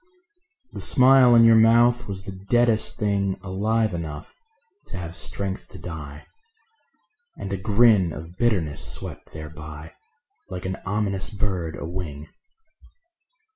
The smile on your mouth was the deadest thing Alive enough to have strength to die; And a grin of bitterness swept thereby Like an ominous bird a wing.